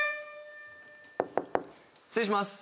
失礼します。